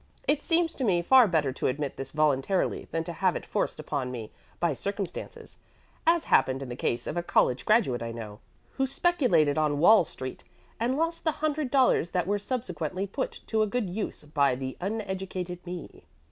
It seems to me far better to admit this voluntarily than to have it forced home upon me by circumstances, as happened in the case of a college graduate I know, who speculated on Wall Street, and lost the hundred dollars that were subsequently put to a good use by the uneducated me."